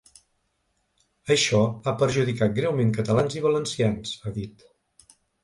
Això ha perjudicat greument catalans i valencians, ha dit.